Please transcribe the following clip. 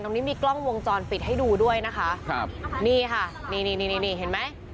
ตรงนี้มีกล้องวงจรปิดให้ดูด้วยนะคะครับนี่ค่ะนี่นี่นี่นี่เห็นไหม